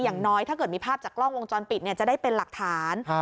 อย่างน้อยถ้าเกิดมีภาพจากกล้องวงจรปิดจะได้เป็นหลักฐาน